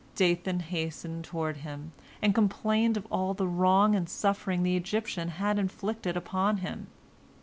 Dathan hastened toward him, and complained of all the wrong and suffering the Egyptian had inflicted upon him.